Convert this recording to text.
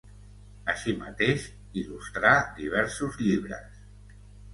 Així mateix il·lustrà diversos llibres.